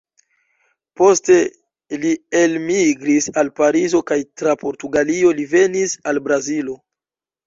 Poste li elmigris al Parizo kaj tra Portugalio li venis al Brazilo.